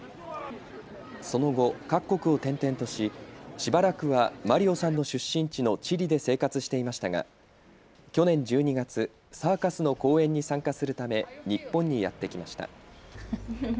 その後、各国を転々とししばらくはマリオさんの出身地のチリで生活していましたが去年１２月、サーカスの公演に参加するため日本にやって来ました。